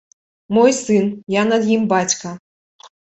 Мой сын, я над ім бацька.